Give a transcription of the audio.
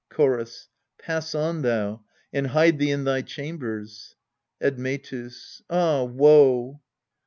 Chorus. Pass on thou, and hide thee In thy chambers. Admetus. Ah woe